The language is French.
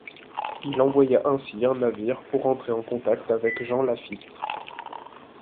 Il envoya ainsi un navire pour entrer en contact avec Jean Lafitte.